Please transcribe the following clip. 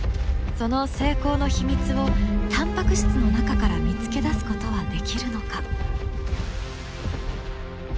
その成功の秘密をタンパク質の中から見つけ出すことはできるのか？